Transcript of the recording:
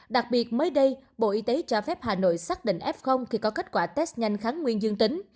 đặc biệt mới đây bộ y tế cho phép hà nội xác định f khi có kết quả test nhanh kháng nguyên dương tính